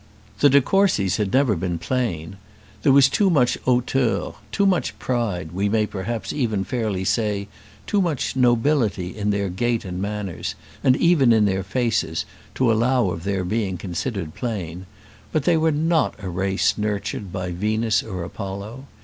The de Courcys had never been plain. There was too much hauteur, too much pride, we may perhaps even fairly say, too much nobility in their gait and manners, and even in their faces, to allow of their being considered plain; but they were not a race nurtured by Venus or Apollo.